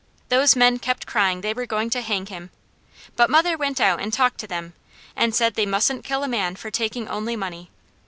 Those men kept crying they were going to hang him; but mother went out and talked to them, and said they mustn't kill a man for taking only money.